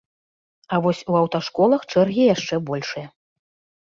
А вось у аўташколах чэргі яшчэ большыя.